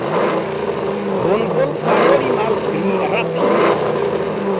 Bonvolu paroli malpli rapide!